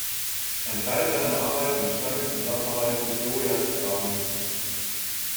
Ein Teil seiner Arbeiten entstand in Zusammenarbeit mit Jo Jastram.